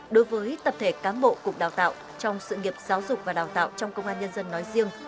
đối với tập thể cán bộ cục đào tạo trong sự nghiệp giáo dục và đào tạo trong công an nhân dân nói riêng